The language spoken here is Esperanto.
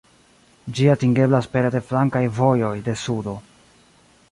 Ĝi atingeblas pere de flankaj vojoj de sudo.